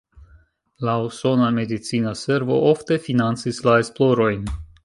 La usona medicina servo ofte financis la esplorojn.